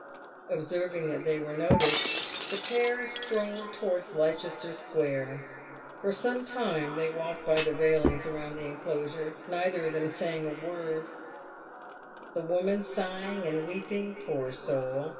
Observing that they were noticed, the pair strolled towards Leices ter square. For some time they walked by the railings around the enclosure, neither of them saying a word, the woman sighing and weeping, poor soul